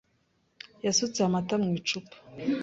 Yasutse amata mu icupa.